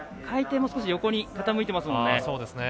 回転も、少し横に傾いていますもんね。